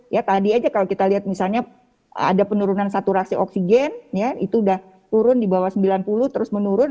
ya tadi aja kalau kita lihat misalnya ada penurunan saturasi oksigen ya itu udah turun di bawah sembilan puluh terus menurun